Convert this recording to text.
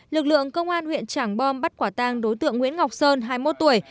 lực lượng công an huyện trảng bom bắt quả tang đối tượng nguyễn ngọc sơn hai mươi một tuổi